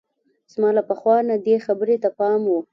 زما له پخوا نه دې خبرې ته پام وو.